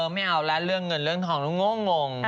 ไม่เอาละเงินเรือนทองนับงโง่งง